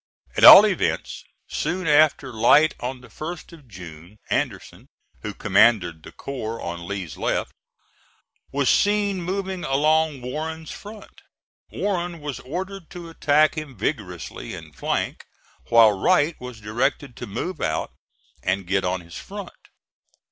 At all events, soon after light on the 1st of June Anderson, who commanded the corps on Lee's left, was seen moving along Warren's front. Warren was ordered to attack him vigorously in flank, while Wright was directed to move out and get on his front.